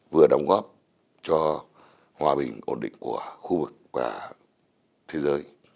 vừa đóng góp cho hòa bình ổn định của khu vực và thế giới